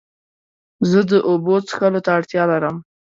زه د اوبو څښلو ته اړتیا لرم.